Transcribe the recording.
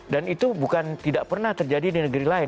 dan itu bukan tidak pernah terjadi di negeri lain